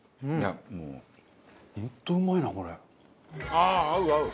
ああー合う合う！